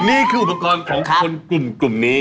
นี่คืออุปกรณ์ของคนกลุ่มนี้